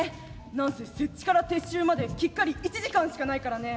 何せ設置から撤収まできっかり１時間しかないからね。